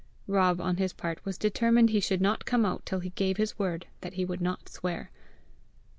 Rob on his part was determined he should not come out until he gave his word that he would not swear.